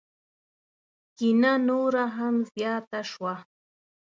کینه نوره هم زیاته شوه.